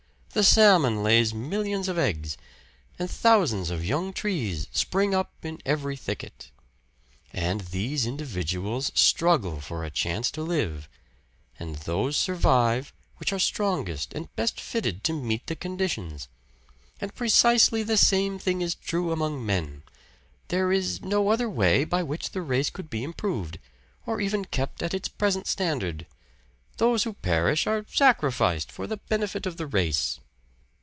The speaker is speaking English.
The salmon lays millions of eggs, and thousands of young trees spring up in every thicket. And these individuals struggle for a chance to live, and those survive which are strongest and best fitted to meet the conditions. And precisely the same thing is true among men there is no other way by which the race could be improved, or even kept at its present standard. Those who perish are sacrificed for the benefit of the race."